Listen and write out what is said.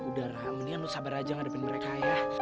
udah rah nih lo sabar aja ngadepin mereka ya